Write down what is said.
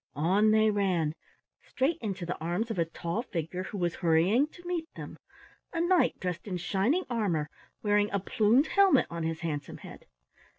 On they ran straight into the arms of a tall figure who was hurrying to meet them, a knight dressed in shining armor wearing a plumed helmet on his handsome head.